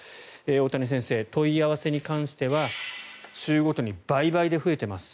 大谷先生、問い合わせに関しては週ごとに倍々で増えています。